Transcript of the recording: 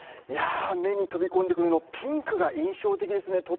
いや目に飛びこんでくるのピンクが印象的ですね。